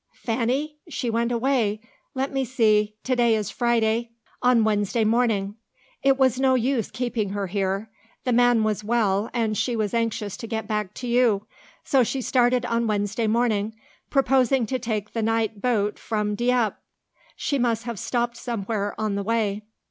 "Fanny? She went away let me see: to day is Friday on Wednesday morning. It was no use keeping her here. The man was well, and she was anxious to get back to you. So she started on Wednesday morning, proposing to take the night boat from Dieppe. She must have stopped somewhere on the way."